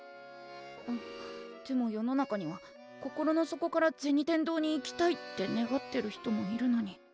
んでも世の中には心の底から銭天堂に行きたいって願ってる人もいるのに。